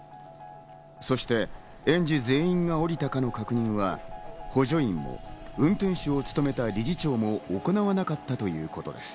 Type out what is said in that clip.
そして園児全員が降りたかの確認は補助員も運転手を勤めた理事長も行わなかったということです。